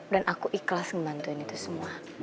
dan aku ikhlas ngebantuin itu semua